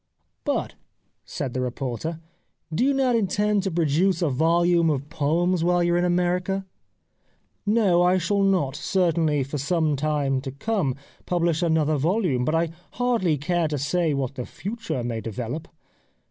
"' But/ said the reporter, ' do you not intend to produce a volume of poems while you are in America ?'"' No, I shall not, certainly for some time to come, publish another volume, but I hardly care to say what the future may develop.'